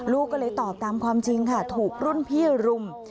ลูกก็เลยตอบตามความจริงค่ะถูกรุ่นพี่รุม